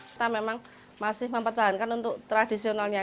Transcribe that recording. kita memang masih mempertahankan untuk tradisionalnya